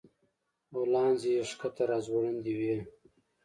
غولانځې يې ښکته راځوړندې وې